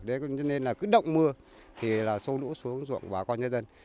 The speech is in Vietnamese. đấy nên là cứ động mưa thì là sâu lũ xuống ruộng của bà con nhân dân